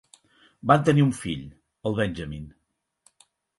Van tenir un fill, el Benjamin.